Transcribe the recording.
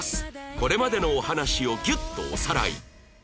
これまでのお話をギュッとおさらい